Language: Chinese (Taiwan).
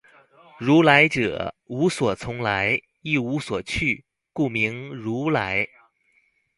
如來者，無所從來，亦無所去，故名如來